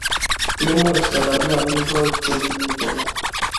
kimuch kolalyo amitwogik che kimito maat